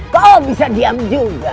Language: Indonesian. kau bisa diam juga